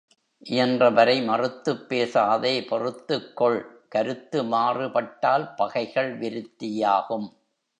இயன்றவரை மறுத்துப்பேசாதே பொறுத்துக் கொள் கருத்து மாறுபட்டால் பகைகள் விருத்தியாகும்.